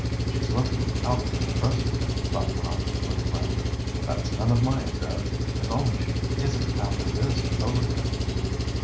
"She's looking out for her present," thought Tom, with a grin. "But that's none of my affair. If only she isn't after this overcoat!"